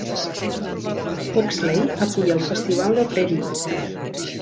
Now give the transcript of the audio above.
Huxley acull el Festival de Prairie.